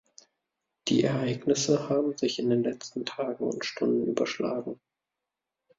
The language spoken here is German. Die Ereignisse haben sich in den letzten Tagen und Stunden überschlagen.